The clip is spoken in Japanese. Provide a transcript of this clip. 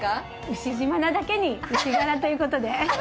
牛島なだけに牛柄ということで。